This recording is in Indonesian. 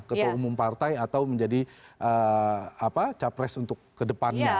ketua umum partai atau menjadi capres untuk kedepannya